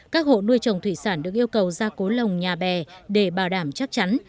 các hộ nuôi trồng thủy sản được yêu cầu ra cố lồng nhà bè để bảo đảm chắc chắn